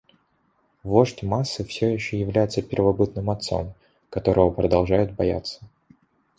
Вождь массы все еще является первобытным отцом, которого продолжают бояться.